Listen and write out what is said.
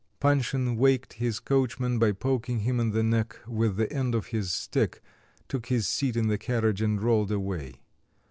Panshin waked his coachman by poking him in the neck with the end of his stick, took his seat in the carriage and rolled away.